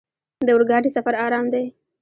د اورګاډي سفر ارام دی.